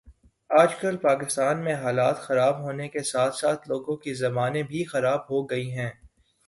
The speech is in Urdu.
آج کل پاکستان میں حالات خراب ہونے کے ساتھ ساتھ لوگوں کی زبانیں بھی خراب ہو گئی ہیں